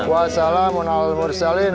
wa salamun ala mursalin